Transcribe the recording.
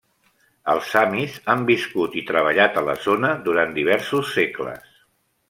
Els samis han viscut i treballat a la zona durant diversos segles.